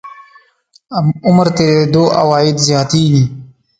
عمر تېرېدو عواید زیاتېږي.